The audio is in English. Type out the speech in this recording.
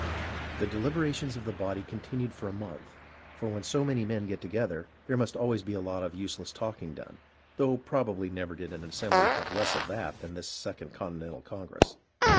The deliberations of the body continued for a month, for when so many men get together, there must always be a lot of useless talking done, though probably never did an assembly have less of that than this Second Con tinental Congress.